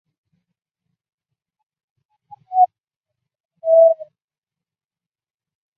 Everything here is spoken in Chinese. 这种花包括兰花。